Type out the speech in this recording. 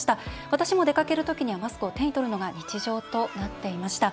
私も出かける時にはマスクを手に取るのが日常となっていました。